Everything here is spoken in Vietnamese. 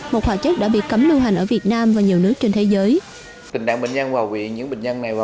một hoạt chất đã bị cấm lưu hành ở việt nam và nhiều nước trên thế giới